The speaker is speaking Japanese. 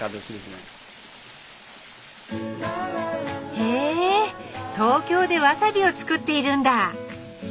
へえ東京でわさびを作っているんだ。